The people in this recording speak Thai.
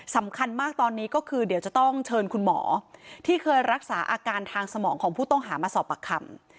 สำคัญมากตอนนี้ก็คือเดี๋ยวจะต้องเชิญคุณหมอที่เคยรักษาอาการทางสมองของผู้ต้องหามาสอบปากคำ